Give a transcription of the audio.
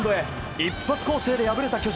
一発攻勢で敗れた巨人。